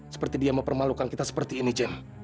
seperti dia mempermalukan kita seperti ini jen